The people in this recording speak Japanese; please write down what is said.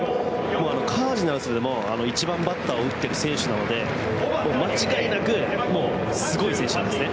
カージナルスでも１番バッターを打っている選手なので間違いなくすごい選手なんですよ。